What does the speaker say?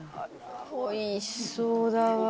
「おいしそうだわ」